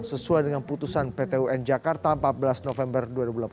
sesuai dengan putusan pt un jakarta empat belas november dua ribu delapan belas